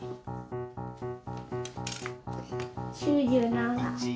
９７。